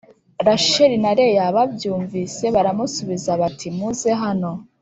Rasheli na Leya babyumvise baramusubiza bati muze hano